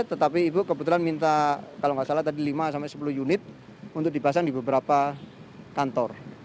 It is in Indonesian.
tetapi ibu kebetulan minta kalau nggak salah tadi lima sampai sepuluh unit untuk dipasang di beberapa kantor